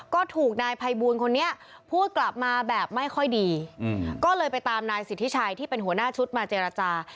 ก็ถูกนายภัยบูลคนนี้พูดกลับมาแบบไม่ค่อยดีก็เลยไปตามนายสิทธิชัยที่เป็นหัวหน้าชุดมาเจรจา